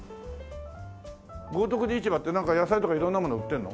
豪徳寺市場ってなんか野菜とか色んなもの売ってるの？